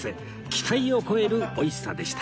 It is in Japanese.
期待を超える美味しさでした